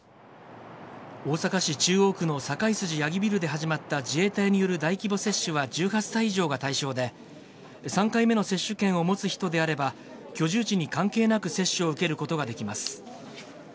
大阪市中央区の堺筋八木ビルで始まった自衛隊による大規模接種は１８歳以上が対象で、３回目の接種券を持つ人であれば、居住地に関係なく、接種を受けることができます。